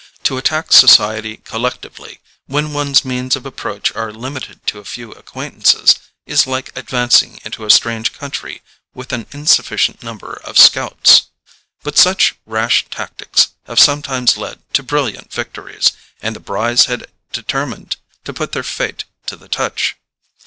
To attack society collectively, when one's means of approach are limited to a few acquaintances, is like advancing into a strange country with an insufficient number of scouts; but such rash tactics have sometimes led to brilliant victories, and the Brys had determined to put their fate to the touch.